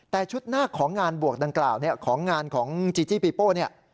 แต่ชุดหน้าของงานบวกดังกล่าวของงานของจิจิปิโป้